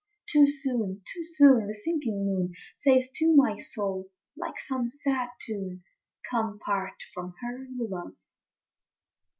Too soon, too soon, the sinking moon Says to my soul, like some sad tune, "Come! part from her you love."